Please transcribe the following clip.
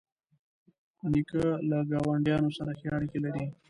نیکه له ګاونډیانو سره ښې اړیکې لري.